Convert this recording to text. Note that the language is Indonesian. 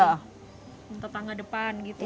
rumah tetangga depan gitu